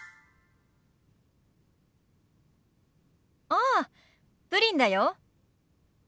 ああプリンだよ。